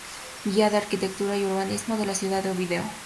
Guía de Arquitectura y Urbanismo de la Ciudad de Oviedo.